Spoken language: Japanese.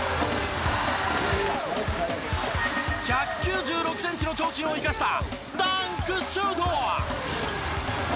１９６センチの長身を生かしたダンクシュート！